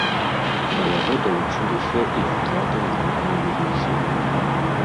Да яго далучыліся і атрады народнай міліцыі.